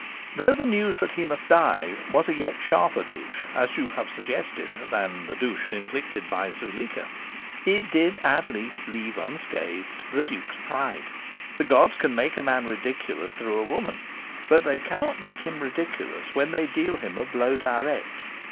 Though the news that he must die was a yet sharper douche, as you have suggested, than the douche inflicted by Zuleika, it did at least leave unscathed the Duke's pride. The gods can make a man ridiculous through a woman, but they cannot make him ridiculous when they deal him a blow direct.